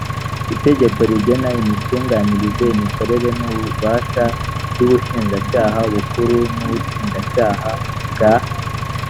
itegeko rigena imitunganyirize imikorere n ububasha by ubushinjacyaha bukuru n ubushinjacyaha bwa